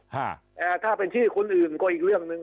แต่ถ้าเป็นชื่อคนอื่นก็อีกเรื่องหนึ่ง